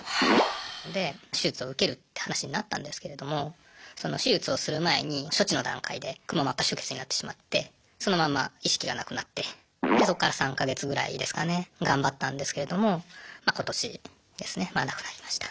で手術を受けるって話になったんですけれどもその手術をする前に処置の段階でくも膜下出血になってしまってそのまま意識がなくなってでそこから３か月ぐらいですかね頑張ったんですけれどもま今年ですねまあ亡くなりました。